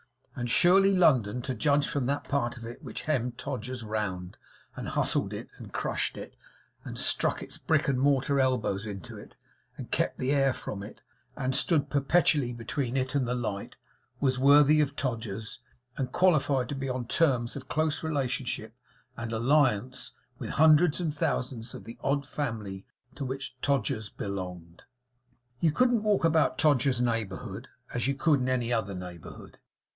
And surely London, to judge from that part of it which hemmed Todgers's round and hustled it, and crushed it, and stuck its brick and mortar elbows into it, and kept the air from it, and stood perpetually between it and the light, was worthy of Todgers's, and qualified to be on terms of close relationship and alliance with hundreds and thousands of the odd family to which Todgers's belonged. You couldn't walk about Todgers's neighbourhood, as you could in any other neighbourhood.